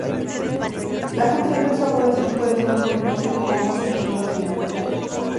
La función de extrapolación puede ser un polinomio o una función racional.